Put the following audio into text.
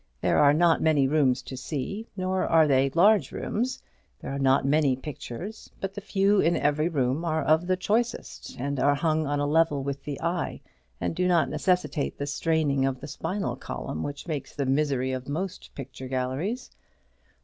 There are not many rooms to see, nor are they large rooms. There are not many pictures; but the few in every room are of the choicest, and are hung on a level with the eye, and do not necessitate that straining of the spinal column which makes the misery of most picture galleries.